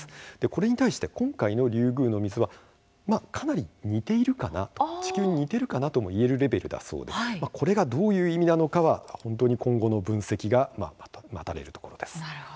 これに対して今回のリュウグウの水はかなり似ているかなと地球に似ているかなともいえるレベルだそうでこれがどういう意味なのかは本当に今後の分析が待たれるところです。